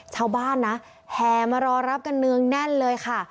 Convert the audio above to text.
ชาวบ้านนะแห่มารอรับกันเนืองแน่นเลยค่ะ